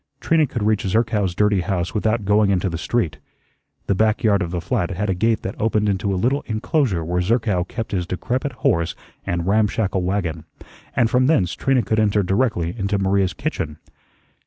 Trina could reach Zerkow's dirty house without going into the street. The back yard of the flat had a gate that opened into a little inclosure where Zerkow kept his decrepit horse and ramshackle wagon, and from thence Trina could enter directly into Maria's kitchen.